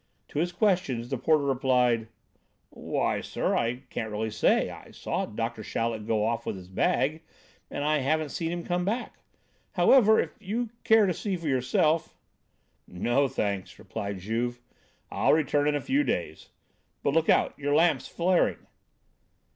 To his questions, the porter replied: "Why, sir, I can't really say. I saw Doctor Chaleck go off with his bag and I haven't seen him come back. However, if you care to see for yourself " "No, thanks," replied Juve, "I'll return in a few days. But look out, your lamp's flaring!"